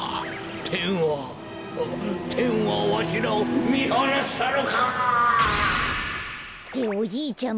てんはてんはわしらをみはなしたのか！っておじいちゃん